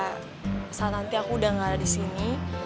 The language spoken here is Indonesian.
supaya saat nanti aku udah gak ada di sini